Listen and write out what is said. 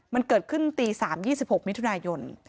มันเกิดขึ้นตี๓๒๖มิถุนายน